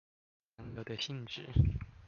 洋流的性質